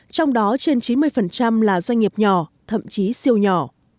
trong đó trên chín mươi là doanh nghiệp nhỏ thậm chí siêu nhỏ